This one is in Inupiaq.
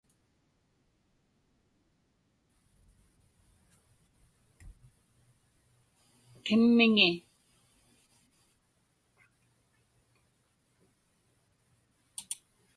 qimmiŋi